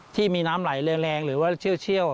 ที่มีน้ำไหลแรงหรือว่าเชี่ยว